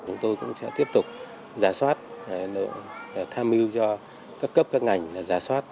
chúng tôi cũng sẽ tiếp tục giả soát tham mưu cho cấp cấp các ngành giả soát